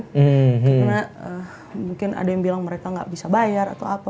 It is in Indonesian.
karena mungkin ada yang bilang mereka gak bisa bayar atau apa